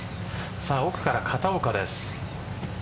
奥から片岡です。